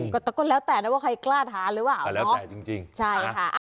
ก็แล้วแต่ว่าใครกล้าทานหรือเปล่า